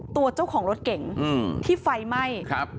ตัวเจ้าของรถเก่งที่ไฟไหม้ครับ